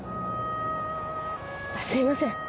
すいません。